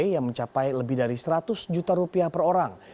yang mencapai lebih dari seratus juta rupiah per orang